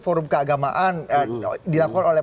forum keagamaan dilaporkan oleh